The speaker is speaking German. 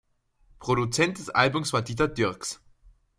Produzent des Albums war Dieter Dierks.